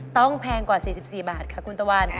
ต้องแพงกว่า๔๔บาทค่ะ